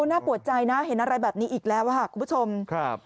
น่าปวดใจนะเห็นอะไรแบบนี้อีกแล้วค่ะคุณผู้ชมครับ